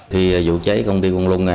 thì vụ cháy công ty konglung này